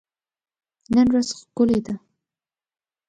نن ورځ ښکلي ده.